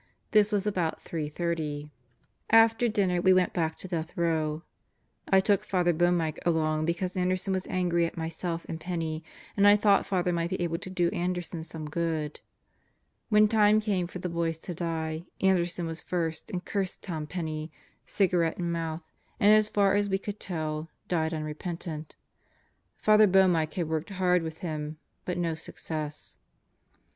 This was about 3:30. ... After dinner we went back to Death Row. ... I took Father Boehmicke along because Anderson was angry at myself and Penney, and I thought Father might be able to do Anderson some good. ... When time came for the boys to die, Anderson was in first and cursed Tom Penney, cigarette in mouth, and as far as we could tell, died unrepentant. Father Boehmicke had worked hard with him, but no success.